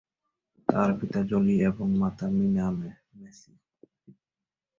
তার পিতা জলি এবং মাতা মীনা ম্যাসি।